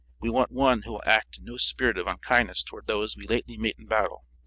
We want one who will act in no spirit of unkindness toward those we lately met in battle.